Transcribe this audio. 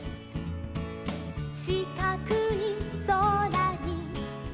「しかくいそらに」